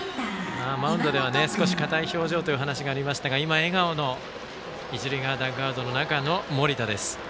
マウンドでは少し堅い表情というお話がありましたが今、笑顔の一塁側ダグアウトの中の盛田です。